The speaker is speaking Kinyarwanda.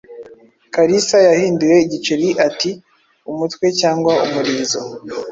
Kalisa yahinduye igiceri ati: "Umutwe cyangwa umurizo?"